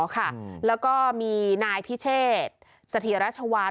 อ๋อค่ะแล้วก็มีนายพิเชษสถิรัชวรรณ